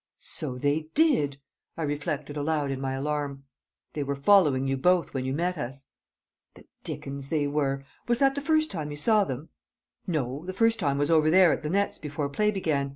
"So they did!" I reflected aloud in my alarm. "They were following you both when you met us." "The dickens they were! Was that the first you saw of them?" "No; the first time was over there at the nets before play began.